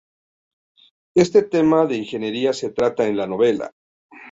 Este tema de ingeniería se trata en la novela.